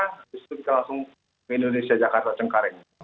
terus kita langsung ke indonesia jakarta cengkareng